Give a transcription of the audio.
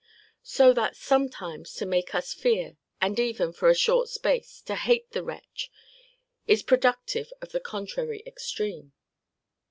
So that, sometimes to make us fear, and even, for a short space, to hate the wretch, is productive of the contrary extreme.